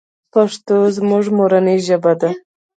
پښتو زموږ مورنۍ ژبه ده.